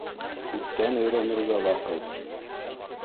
Күптән өйрәнергә ваҡыт.